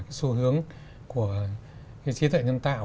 cái xu hướng của cái trí tuệ nhân tạo